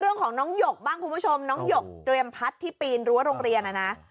เรื่องของน้องหยกบ้างคุณผู้ชมน้องหยกเตรียมพัดที่ปีนรั้วโรงเรียนนะนะ